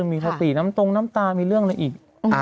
มีสติน้ำตรงน้ำตามีเรื่องอะไรอีก